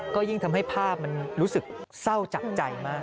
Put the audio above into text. ก็ยิ่งทำให้ภาพมันรู้สึกเศร้าจับใจมาก